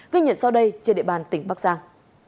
ghi nhận sau đây trên địa bàn tỉnh bắc giang